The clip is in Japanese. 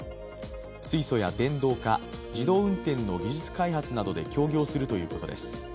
水素や電動化、自動運転の技術開発などで協業するということです。